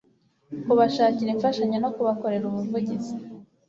kubashakira imfashanyo no kubakorera ubuvugizi